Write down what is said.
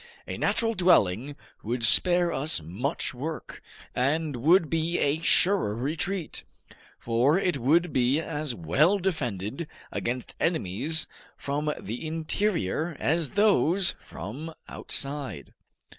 A natural dwelling would spare us much work, and would be a surer retreat, for it would be as well defended against enemies from the interior as those from outside."